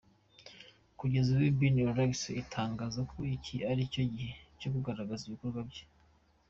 Kugeza ubu, Bin relax atangaza ko iki aricyo gihe cyo kugaragaza ibikorwa bye.